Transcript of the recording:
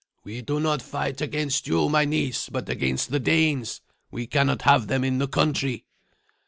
"We do not fight against you, my niece, but against the Danes. We cannot have them in the country."